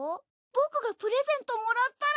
僕がプレゼントもらったら。